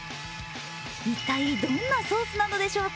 一体、どんなソースなのでしょうか？